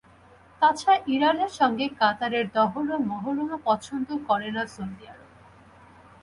তা ছাড়া ইরানের সঙ্গে কাতারের দহরম মহরমও পছন্দ করে না সৌদি আরব।